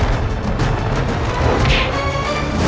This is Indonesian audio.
ingat itu adikku